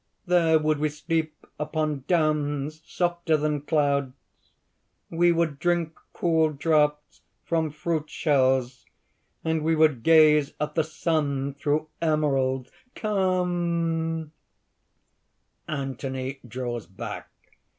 There would we sleep upon downs softer than clouds; we would drink cool draughts from fruit shells, and we would gaze at the sun through emeralds! Come!" ... (_Anthony draws back.